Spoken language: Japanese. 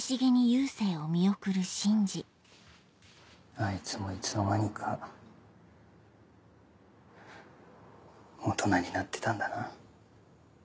あいつもいつの間にか大人になってたんだな。